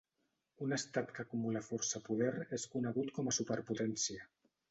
Un estat que acumula força poder és conegut com a superpotència.